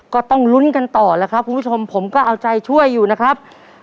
ก็ต้องลุ้นกันต่อแล้วครับคุณผู้ชมผมก็เอาใจช่วยอยู่นะครับ